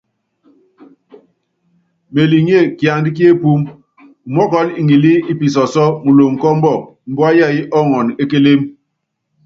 Meliŋé, kiandá ki epúúmí, mɔ́kɔl ŋilí i pisɔsɔ́ muloŋ kɔ ɔmbɔk, mbua yɛɛyɛ́ ɔɔŋɔn e kélém.